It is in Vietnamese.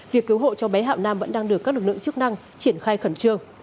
việc cứu hộ cho bé hạ nam vẫn đang được các lực lượng chức năng triển khai khẩn trương